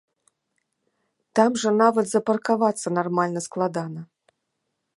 Там жа нават запаркавацца нармальна складана.